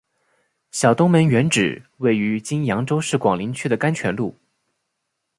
小东门原址位于今扬州市广陵区的甘泉路。